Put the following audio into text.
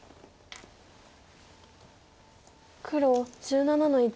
黒１７の一。